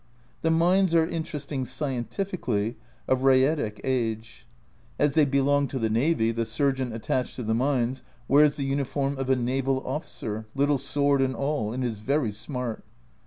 The mines are interesting scientifically, of Rhaetic age. As they belong to the Navy, the surgeon attached to the mines wears the uniform of a Naval Officer, little sword and all, and is very smart.